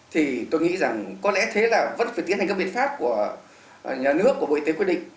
thì tôi nghĩ rằng có lẽ thế là vẫn phải tiến hành các biện pháp của nhà nước của bộ y tế quyết định